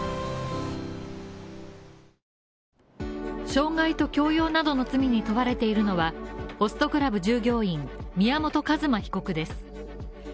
傷害と強要などの罪に問われているのはホストクラブ従業員、宮本一馬被告です。